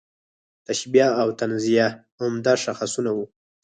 تشبیه او تنزیه عمده شاخصونه وو.